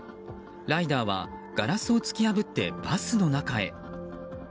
ライダーはガラスを突き破ってバスの中へ。